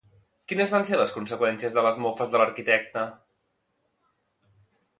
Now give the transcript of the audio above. Quines van ser les conseqüències de les mofes de l'arquitecte?